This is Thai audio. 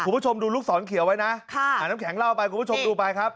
คุณผู้ชมดูลูกศรเขียวไว้นะน้ำแข็งเล่าไปคุณผู้ชมดูไปครับ